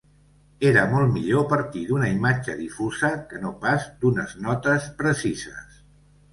Era molt millor partir d'una imatge difusa que no pas d'unes notes precises.